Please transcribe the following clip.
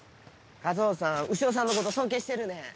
一魚さん潮さんのこと尊敬してるね。